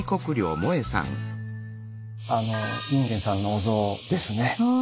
隠元さんのお像ですね。